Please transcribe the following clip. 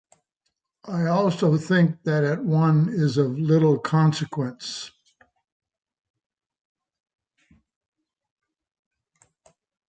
I also think that it won is of little consequence.